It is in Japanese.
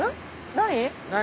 何？